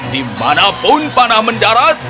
dimanapun panah mendarat